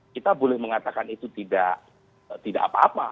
kita boleh mengatakan itu tidak apa apa